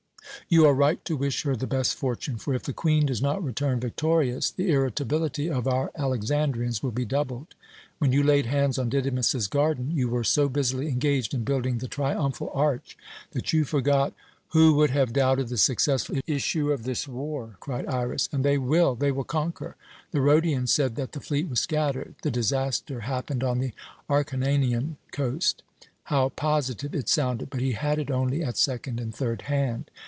"You are right to wish her the best fortune; for if the Queen does not return victorious, the irritability of our Alexandrians will be doubled. When you laid hands on Didymus's garden, you were so busily engaged in building the triumphal arch that you forgot " "Who would have doubted the successful issue of this war?" cried Iras. "And they will, they will conquer. The Rhodian said that the fleet was scattered. The disaster happened on the Acharnanian coast. How positive it sounded! But he had it only at second and third hand.